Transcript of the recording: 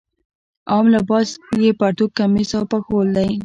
عام لباس یې پرتوګ کمیس او پکول دی.